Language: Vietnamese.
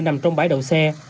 nằm trong bãi đậu xe